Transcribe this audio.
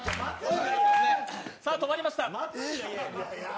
さあ止まりました。